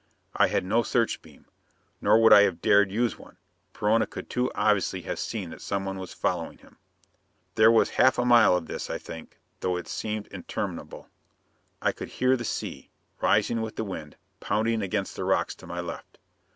I had no search beam. Nor would I have dared use one: Perona could too obviously have seen that someone was following him. There was half a mile of this, I think, though it seemed interminable. I could hear the sea, rising with the wind, pounding against the rocks to my left.